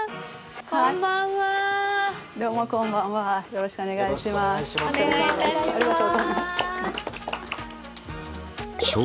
よろしくお願いします。